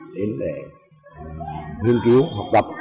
đến để nghiên cứu học đọc